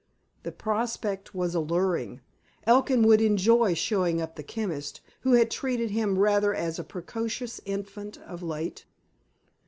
The prospect was alluring. Elkin would enjoy showing up the chemist, who had treated him rather as a precocious infant of late.